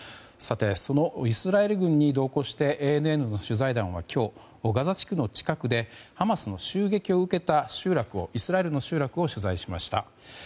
そのイスラエル軍に同行してＡＮＮの取材団は今日、ガザ地区の近くでハマスの襲撃を受けたイスラエルの集落を取材しました。